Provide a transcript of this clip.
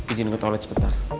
ijin ke toilet sebentar